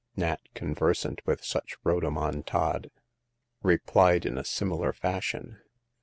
Nat, conversant with such rhodomontade, replied in a similar fashion.